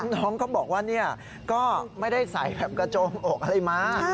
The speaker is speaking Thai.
น้องก็บอกว่าก็ไม่ได้ใส่แบบกระโจมอกอะไรมา